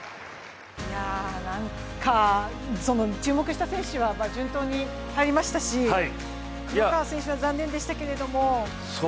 注目した選手は順当に入りましたし黒川選手は残念でしたけれども。